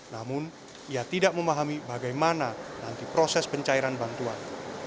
namun ia tidak memahami bagaimana nanti proses pencairan bantuan